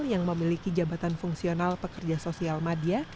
yang memiliki jabatan fungsional pekerja sosial media